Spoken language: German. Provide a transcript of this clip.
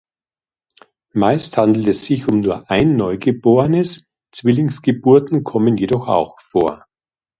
Meist handelt es sich um nur ein Neugeborenes, Zwillingsgeburten kommen jedoch auch vor.